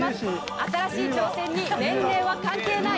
新しい挑戦に年齢は関係ない。